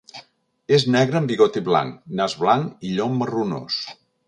És negre amb bigoti blanc, nas blanc i llom marronós.